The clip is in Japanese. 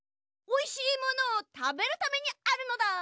おいしいものをたべるためにあるのだ！